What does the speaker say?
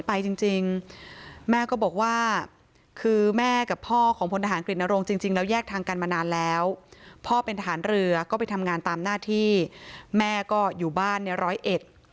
พ่อแม่ต้องไปกราบขอโทษ